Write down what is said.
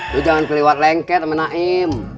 itu jangan keliwat lengket sama naim